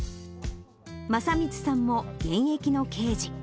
将光さんも現役の刑事。